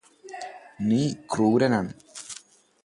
നീ ക്രൂരനാണ്